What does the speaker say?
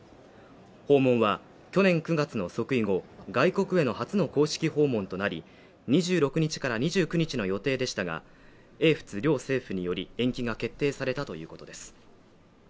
訪問は、去年９月の即位後、外国への初の公式訪問となり２６日から２９日の予定でしたが、英仏両政府により延期が決定されたということです。